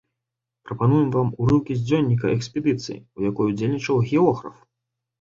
Прапануем вам урыўкі з дзённіка экспедыцыі, у якой удзельнічаў географ.